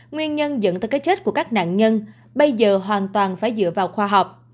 nguyên nhân dẫn tới cái chết của các nạn nhân bây giờ hoàn toàn phải dựa vào khoa học